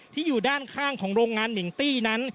อยู่ด้านข้างของโรงงานมิงตี้นั้น